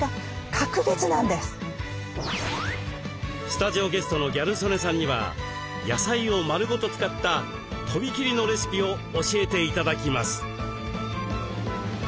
スタジオゲストのギャル曽根さんには野菜を丸ごと使った飛び切りのレシピを教えて頂きます。